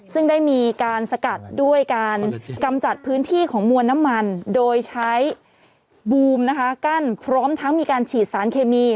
ซึ่งได้มีการสกัดด้วยการกำจัดพื้นที่ของมวลน้ำมันโดยใช้บูมนะคะกั้นพร้อมทั้งมีการฉีดสารเคมี